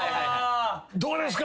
どうですか？